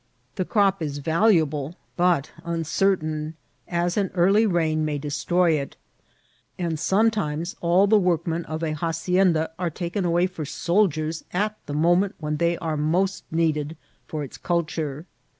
The crop is valuable, but uncertain, as an early rain may destroy it ; and sometimes all the workmen of a hacienda are taken away for soldiers at the moment when they are most needed for its culture.